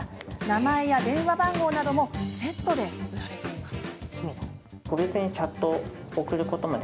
名前や電話番号などもセットで売られています。